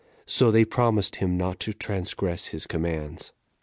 So they promised him not to transgress his commands.